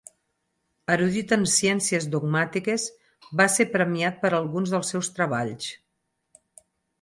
Erudit en ciències dogmàtiques, va ser premiat per alguns dels seus treballs.